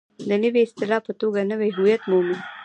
د نوې اصطلاح په توګه نوی هویت مومي.